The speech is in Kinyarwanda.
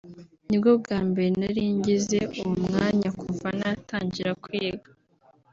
nibwo bwa mbere nari ngize uwo mwanya kuva natangira kwiga